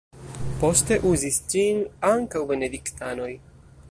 Poste uzis ĝin ankaŭ benediktanoj.